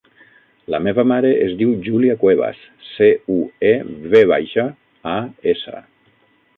La meva mare es diu Júlia Cuevas: ce, u, e, ve baixa, a, essa.